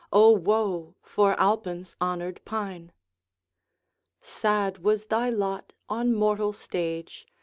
O, woe for Alpine's honoured Pine! 'Sad was thy lot on mortal stage!